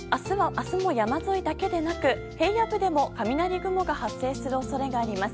明日も山沿いだけでなく平野部でも雷雲が発生する恐れがあります。